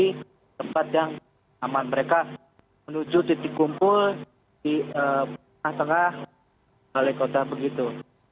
dan ke tempat yang aman mereka menuju titik kumpul di tengah tengah balai kota begitu